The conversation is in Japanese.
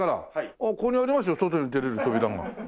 ああここにありますよ外に出られる扉が。